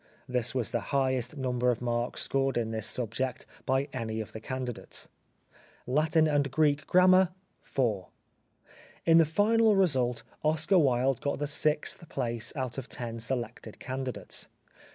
(This was the highest number of marks scored in this subject by any of the candidates.) Latin and Greek Grammar — 4. In the final result Oscar Wilde got the sixth place out of ten selected candidates.